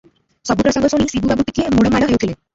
ସବୁ ପ୍ରସଙ୍ଗ ଶୁଣି ଶିବୁ ବାବୁ ଟିକିଏ ମୋଡ଼ ମାଡ଼ ହେଉଥିଲେ ।